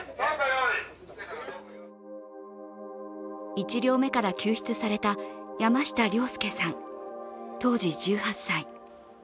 １両目から救出された山下亮輔さん、当時１８歳。